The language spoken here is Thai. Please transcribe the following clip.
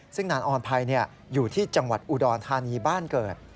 ซึ่งนางออนไพรอยู่ที่จังหวัดอุดรธานีบ้านเกิด